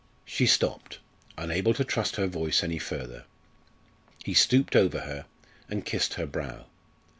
'" She stopped, unable to trust her voice any further. He stooped over her and kissed her brow.